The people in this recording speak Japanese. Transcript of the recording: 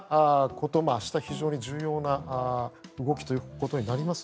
明日、非常に重要な動きということになります。